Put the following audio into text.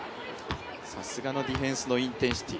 さすがのディフェンスのインテンシティ。